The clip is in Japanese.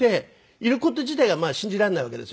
いる事自体がまあ信じられないわけですよね。